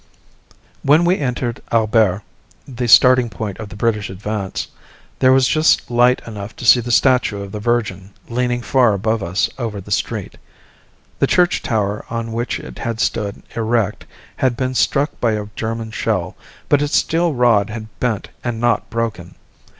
When we entered Albert, the starting point of the British advance, there was just light enough to see the statue of the Virgin leaning far above us over the street. The church tower on which it had once stood erect had been struck by a German shell, but its steel rod had bent and not broken.